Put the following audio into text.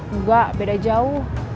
enggak beda jauh